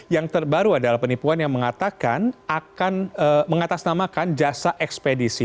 yang terbaru adalah penipuan yang mengatakan akan mengatasnamakan jasa ekspedisi